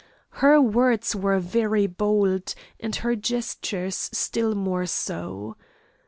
Her words were very bold, and her gestures still more so.